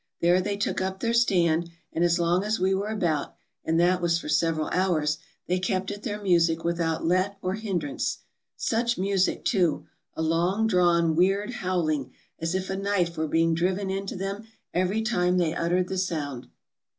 There they took up their stand, and as long as we were about — and that was for several hours — they kept at their music without let or hindrance. Such music, too! A long drawn, weird howling, as if a knife were being driven into them every time they uttered the sound.